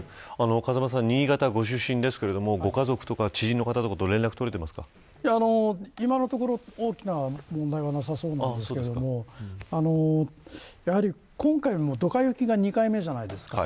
風間さんは新潟ご出身ですけどご家族や知人の方とかと今のところ、大きな問題はなさそうなんですが今回のドカ雪が２回目じゃないですか。